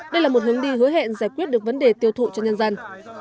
đây là một hướng đi hứa hẹn giải quyết được vấn đề tiêu thụ cho nhân dân